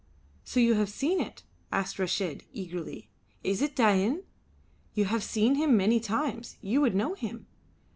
"So you have seen it?" asked Reshid, eagerly. "Is it Dain? You have seen him many times. You would know him."